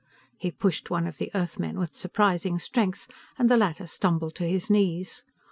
He pushed one of the Earthmen with surprising strength, and the latter stumbled to his knees.